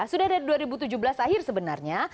sudah dari dua ribu tujuh belas akhir sebenarnya